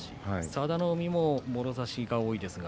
佐田の海のもろ差しが多いですね。